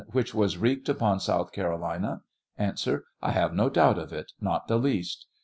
Which was wreaked upon South Carolina ? A. 1 have no doubt of it ; not the least.